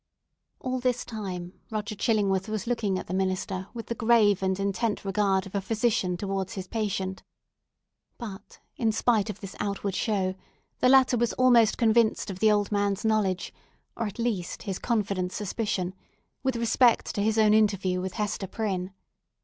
All this time Roger Chillingworth was looking at the minister with the grave and intent regard of a physician towards his patient. But, in spite of this outward show, the latter was almost convinced of the old man's knowledge, or, at least, his confident suspicion, with respect to his own interview with Hester Prynne.